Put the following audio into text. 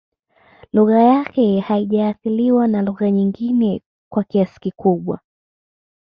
Lugha yake haijaathiriwa na lugha nyingine kwa kiasi kikubwa